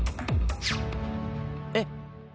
えっ。